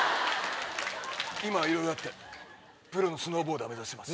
今はいろいろあってプロのスノーボーダー目指してます。